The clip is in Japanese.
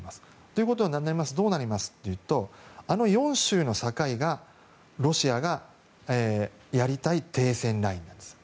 ということになりますとどうなるかというとあの４州の境がロシアがやりたい停戦ラインなんです。